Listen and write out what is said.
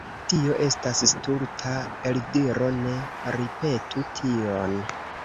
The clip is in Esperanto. Tio estas stulta eldiro, ne ripetu tion.